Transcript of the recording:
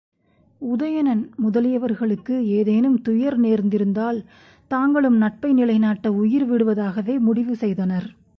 உதயணன் முதலியவர்களுக்கு ஏதேனும் துயர்நேர்ந்திருந்தால் தாங்களும் நட்பை நிலைநாட்ட உயிர் விடுவதாகவே முடிவு செய்தனர்.